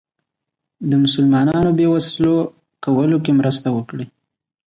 د مسلمانانو بې وسلو کولو کې مرسته وکړي.